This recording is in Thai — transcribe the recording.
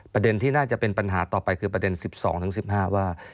ประเด็นที่น่าจะเป็นปัญหาต่อไปคือประเด็น๑๒๑๕ว่า